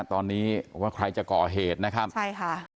ตอนนี้ว่าใครจะก่อเหตุนะครับใช่ค่ะ